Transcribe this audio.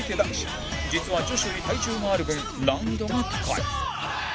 実は女子より体重がある分難易度が高い